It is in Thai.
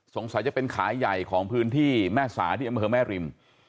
จะเป็นขายใหญ่ของพื้นที่แม่สาที่อำเภอแม่ริม